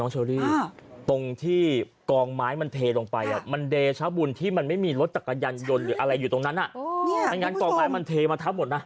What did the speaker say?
ชั้นบุญทายที่มันไม่มีรถตากรรยานหลนเหมือนยังคุณผู้ชม